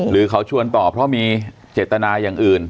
หรือเขาชวนต่อเพราะมีเจตนาอย่างอื่น